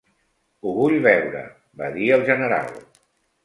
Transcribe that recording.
"Ho vull veure", va dir el general.